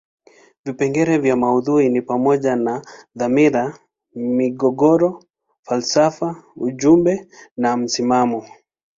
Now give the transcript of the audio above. Vipengele vya maudhui ni pamoja na dhamira, migogoro, falsafa ujumbe na msimamo.